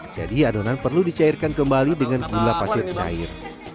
jadi adonan perlu dicairkan kembali dengan gula pasir cair